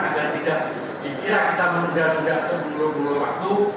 agar tidak dikira kita menunda nunda kebunuh bunuh waktu